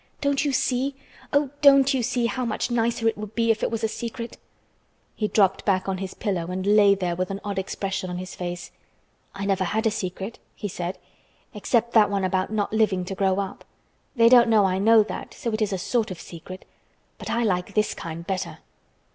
Don't you see? Oh, don't you see how much nicer it would be if it was a secret?" He dropped back on his pillow and lay there with an odd expression on his face. "I never had a secret," he said, "except that one about not living to grow up. They don't know I know that, so it is a sort of secret. But I like this kind better."